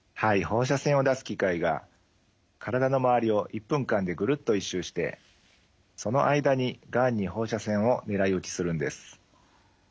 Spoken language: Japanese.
放射線を出す機械が体の周りを１分間でぐるっと１周してその間にがんに放射線を狙い撃ちするんです。